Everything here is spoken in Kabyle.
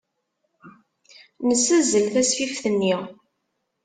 Nessazzel tasfift-nni.